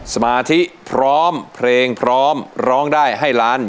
สมาธิพร้อมเพลงพร้อมร้องได้ให้ล้าน